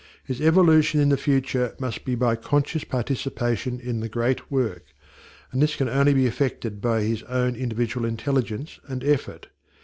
His evolution in the future must be by conscious participation in the great work, and this can only be effected by his own individual intelligence and effort.